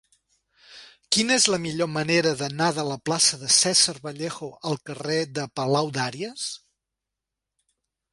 Quina és la millor manera d'anar de la plaça de César Vallejo al carrer de Palaudàries?